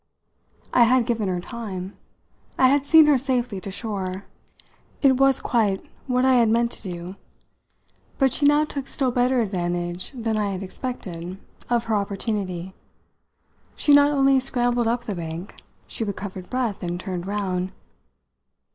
I had given her time; I had seen her safely to shore. It was quite what I had meant to do, but she now took still better advantage than I had expected of her opportunity. She not only scrambled up the bank, she recovered breath and turned round.